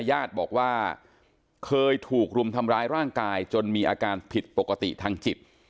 ญาติบอกว่าเคยถูกรุมทำร้ายร่างกายจนมีอาการผิดปกติทางจิต